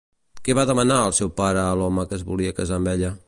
Què va demanar el seu pare a l'home que es volia casar amb ella?